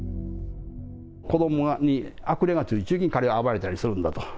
子どもに悪霊がついてから、彼が暴れたりするんだと。